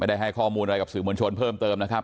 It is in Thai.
ได้ให้ข้อมูลอะไรกับสื่อมวลชนเพิ่มเติมนะครับ